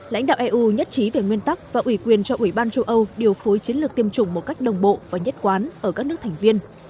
lãnh đạo eu nhất trí về nguyên tắc và ủy quyền cho ủy ban châu âu điều phối chiến lược tiêm chủng một cách đồng bộ và nhất quán ở các nước thành viên